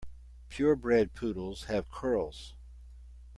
Pure bred poodles have curls.